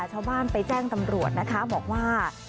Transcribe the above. ชาวบ้านไปแจ้งตำรวจนะคะบอกว่า